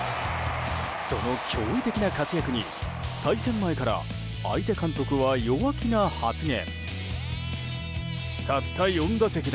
その驚異的な活躍に対戦前から、相手監督は弱気な発言。